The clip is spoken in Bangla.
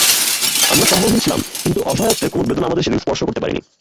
আমরা সম্বলহীন ছিলাম, কিন্তু অসহায়ত্বের কোনো বেদনা আমাদের সেদিন স্পর্শ করতে পারেনি।